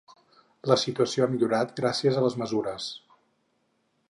La situació ha millorat gràcies a les mesures.